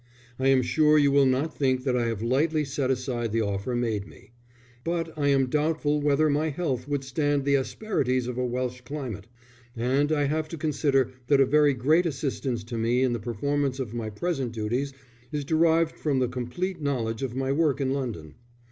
I am sure you will not think that I have lightly set aside the offer made me; but I am doubtful whether my health would stand the asperities of a Welsh climate. And I have to consider that a very great assistance to me in the performance of my present duties is derived from the complete knowledge of my work in London.